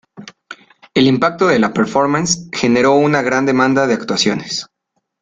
El impacto de la ""performance"" generó una gran demanda de actuaciones.